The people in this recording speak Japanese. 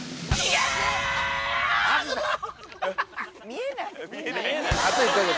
見えない。